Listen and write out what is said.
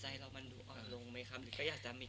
ใจเรามันดูอ่อนลงไหมครับหรือก็อยากจะมี